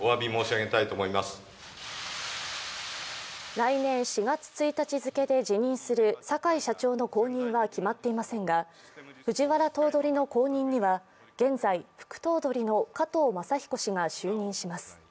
来年４月１日付で辞任する坂井社長の後任は決まっていませんが藤原頭取の後任には現在、副頭取の加藤勝彦氏が就任します。